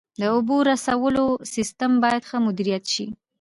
د اوبو رسولو سیستم باید ښه مدیریت شي.